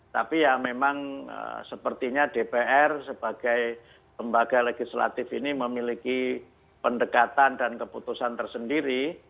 tapi ya memang sepertinya dpr sebagai lembaga legislatif ini memiliki pendekatan dan keputusan tersendiri